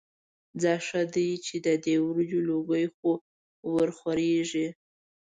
ځه ښه دی چې د دې وریجو لوګي خو ورخوريږي.